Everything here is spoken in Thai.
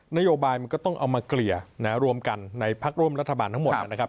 นโยบายมันก็ต้องเอามาเกลี่ยรวมกันในพักร่วมรัฐบาลทั้งหมดนะครับ